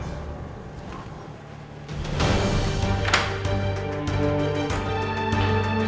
semoga janine gak masuk ruang kerja gue